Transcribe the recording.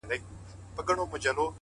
ناهيلی نه یم؛ بیا هم سوال کومه ولي؛ ولي؛